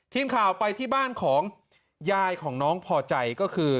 ทีมข่าวไปที่บ้านของยายของน้องพอใจก็คือ